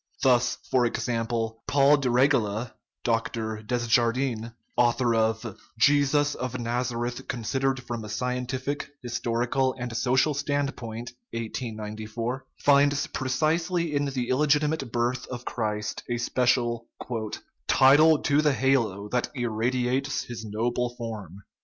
Thus, for example, Paul de Regla (Dr. Desjardin), author of Jesus of Nazareth considered from a Scientific, Historical, and Social Standpoint (1894), finds precisely in the illegiti mate birth of Christ a special * title to the halo that ir radiates his noble form."